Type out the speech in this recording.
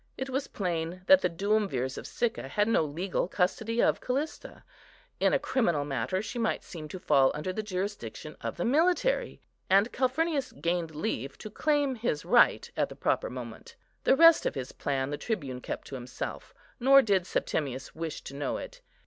It was plain that the Duumvirs of Sicca had no legal custody of Callista; in a criminal matter she might seem to fall under the jurisdiction of the military; and Calphurnius gained leave to claim his right at the proper moment. The rest of his plan the tribune kept to himself, nor did Septimius wish to know it.